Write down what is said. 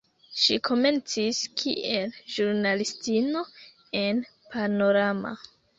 Ŝi komencis kiel ĵurnalistino en "Panorama".